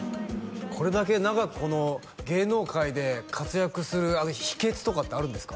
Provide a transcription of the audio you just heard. これだけ長くこの芸能界で活躍する秘訣とかってあるんですか？